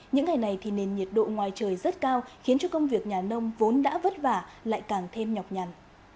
những ngày này thì nền nhiệt độ ngoài trời rất cao khiến cho công việc nhà nông vốn đã vất vả lại càng thêm nhọc nhằn